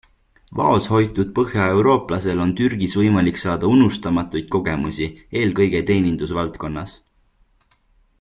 Vaoshoitud põhjaeurooplasel on Türgis võimalik saada unustamatuid kogemusi, eelkõige teenindusvaldkonnas.